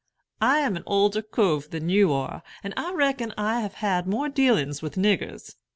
"I am an older cove than you are, and I reckon I have had more dealings with niggers.